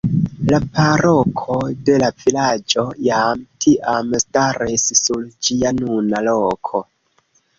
La paroko de la vilaĝo jam tiam staris sur ĝia nuna loko.